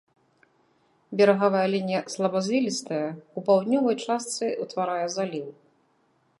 Берагавая лінія слабазвілістая, у паўднёвай частцы ўтварае заліў.